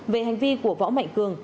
về hành vi của võ mạnh cường